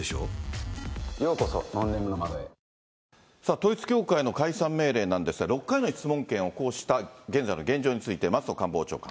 統一教会の解散命令なんですが、６回の質問権を行使した現在の現状について、松野官房長官。